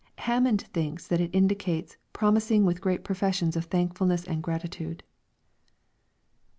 Hammond thinks that it indicates " promising with great professions of thankfulness and gratitude."